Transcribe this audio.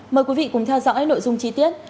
mời quý vị cùng theo dõi nội dung chi tiết